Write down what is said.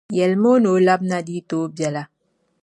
Yɛlimi o ni o labina di yi tooi bela.